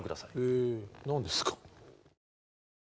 へえ何ですか？